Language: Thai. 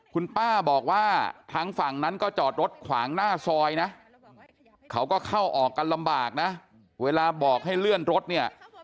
คุณป้าบอกว่าทางฝั่งนั้นก็จอดรถขวางหน้าซอยนะเขาก็เข้าออกกันลำบากนะเวลาบอกให้เลื่อนรถเนี่ย